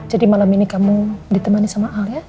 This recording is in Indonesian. jadi malam ini kamu ditemani sama al ya